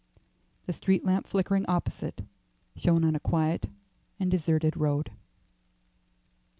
The street lamp flickering opposite shone on a quiet and deserted road.